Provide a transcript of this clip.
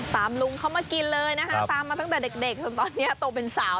ตามลุงเขามากินเลยนะคะตามมาตั้งแต่เด็กจนตอนนี้โตเป็นสาว